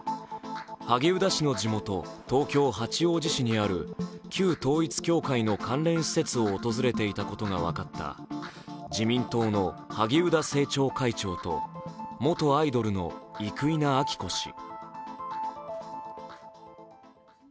萩生田氏の地元東京・八王子市にある旧統一教会の関連施設を訪れていたことが分かった自民党の萩生田政調会長と元アイドルの生稲晃子氏。